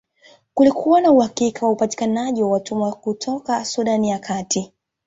Kulikuwa na uhakika wa upatikanaji wa watumwa kutoka Sudan ya Kati